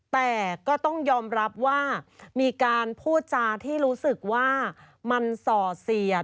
แต่ก็ต้องยอมรับว่ามีการพูดจาที่รู้สึกว่ามันส่อเสียด